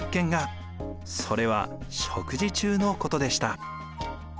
それは食事中のことでした。